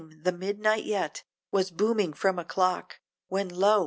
the midnight yet, was booming from a clock, When lo!